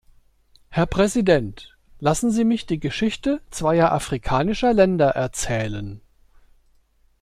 Herr Präsident! Lassen Sie mich die Geschichte zweier afrikanischer Länder erzählen.